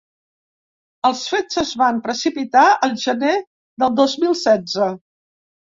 Els fets es van precipitar el gener del dos mil setze.